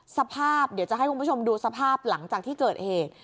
สภาพเดี๋ยวจะให้คุณผู้ชมดูสภาพหลังจากที่เกิดเหตุ